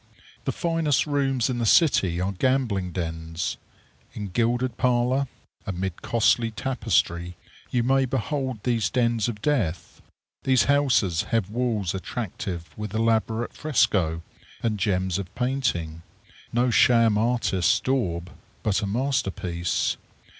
The finest rooms in the city are gambling dens. In gilded parlor, amid costly tapestry, you may behold these dens of death. These houses have walls attractive with elaborate fresco and gems of painting no sham artist's daub, but a masterpiece.